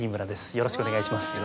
よろしくお願いします。